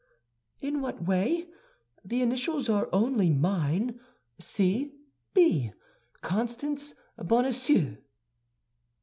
"In what way? The initials are only mine—C. B., Constance Bonacieux."